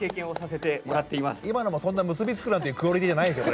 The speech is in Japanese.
今のもそんな結び付くなんていうクオリティーじゃないんですよ